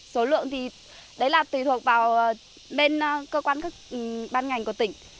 số lượng thì đấy là tùy thuộc vào bên cơ quan các ban ngành của tỉnh